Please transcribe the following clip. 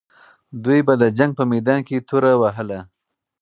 دوی به د جنګ په میدان کې توره وهله.